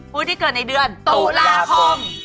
ผู้ที่เกิดในเดือนตุลาคม